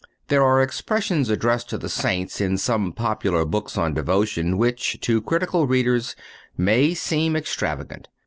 There are expressions addressed to the Saints in some popular books of devotion which, to critical readers, may seem extravagant.